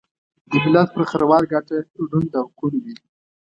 دملت پر خروار ګټه ړوند او کوڼ وي